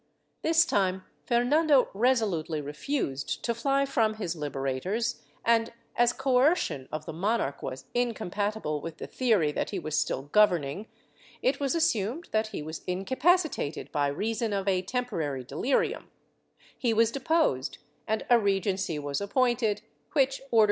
This time Fernando resolutely refused to fly from his liberators and, as coercion of the monarch was incom patible with the theory that he was still governing, it was assumed that he was incapacitated by reason of a temporary delirium; he was deposed and a Regency was appointed which ordered 1 Miraflores, Apuntes, p.